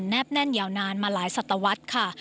บแน่นยาวนานมาหลายศัตวรรษค่ะ